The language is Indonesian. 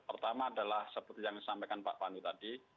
pertama adalah seperti yang disampaikan pak pandu tadi